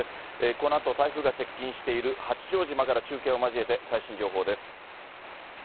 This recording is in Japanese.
このあと、台風が接近している八丈島から中継を交えて最新情報です。